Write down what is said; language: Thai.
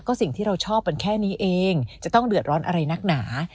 สิ่งที่เราชอบมันแค่นี้เองจะต้องเดือดร้อนอะไรนักหนา